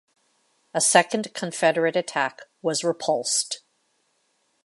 A second Confederate attack was repulsed.